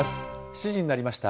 ７時になりました。